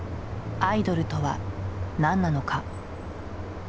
アイドルとは何なのか。